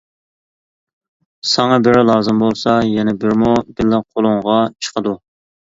ساڭا بىرى لازىم بولسا يەنە بىرىمۇ بىللە قولۇڭغا چىقىدۇ.